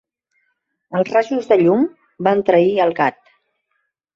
Els rajos de llum van trair al gat.